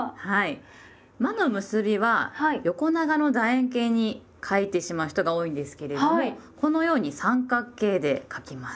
「ま」の結びは横長のだ円形に書いてしまう人が多いんですけれどもこのように三角形で書きます。